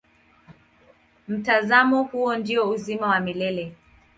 Mtazamo huo ndio uzima wa milele.